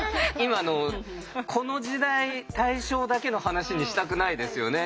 この時代大正だけの話にしたくないですよね。